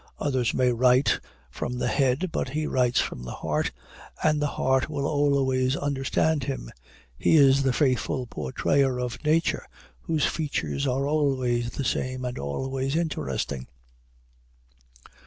Others may write from the head, but he writes from the heart, and the heart will always understand him. He is the faithful portrayer of nature, whose features are always the same and always interesting.